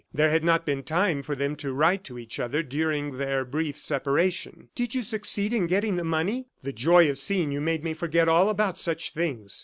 There had not been time for them to write to each other during their brief separation. "Did you succeed in getting the money? The joy of seeing you made me forget all about such things.